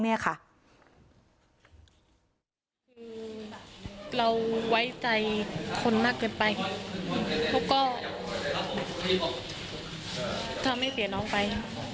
เราไว้ใจคนมากเกินไปเพราะก็ทำให้เปลี่ยนน้องไป